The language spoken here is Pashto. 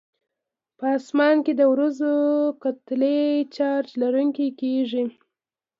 په اسمان کې د وریځو کتلې چارج لرونکي کیږي.